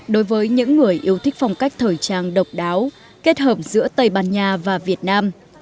đối với những người yêu thích phong cách thời trang độc đáo kết hợp giữa tây ban nha và việt nam